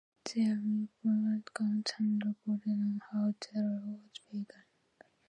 There are multiple accounts and reports on how the riots began.